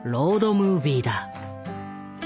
ムービーだ。